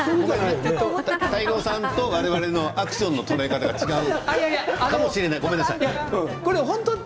泰郎さんと我々のアクションの捉え方が違うかもしれない。